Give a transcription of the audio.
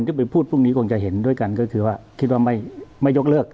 ก็ไปพูดพรุ่งนี้คงจะเห็นด้วยกันก็คือว่าคิดว่าไม่ยกเลิก